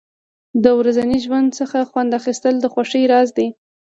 د ورځني ژوند څخه خوند اخیستل د خوښۍ راز دی.